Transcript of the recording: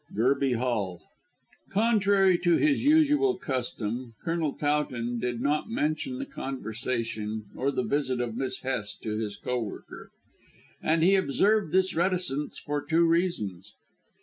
GERBY HALL. Contrary to his usual custom, Colonel Towton did not mention the conversation or the visit of Miss Hest to his co worker. And he observed this reticence for two reasons.